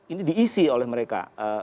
ini diisi oleh mereka